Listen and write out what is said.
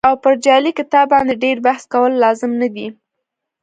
او پر جعلي کتاب باندې ډېر بحث کول لازم نه دي.